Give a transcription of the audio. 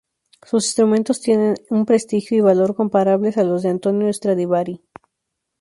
Sus instrumentos tienen un prestigio y valor comparables a los de Antonio Stradivari.